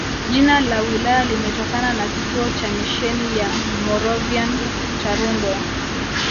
Jina la wilaya limetokana na kituo cha misheni ya Moravian cha Rungwe